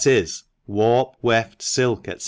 warp, weft, silk, &c.